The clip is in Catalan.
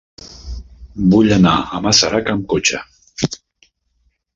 Vull anar a Masarac amb cotxe.